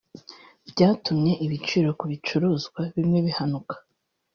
Byatumye ibiciro ku bicuruzwa bimwe bihanuka